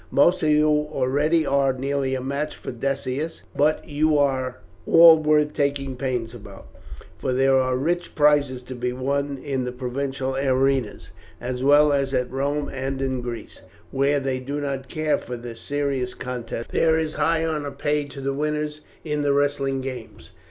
Most of you already are nearly a match for Decius; but you are all worth taking pains about, for there are rich prizes to be won in the provincial arenas, as well as at Rome; and in Greece, where they do not care for the serious contests, there is high honour paid to the winners in the wrestling games."